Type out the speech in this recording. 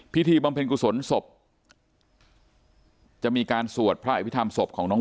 บำเพ็ญกุศลศพจะมีการสวดพระอภิษฐรรมศพของน้อง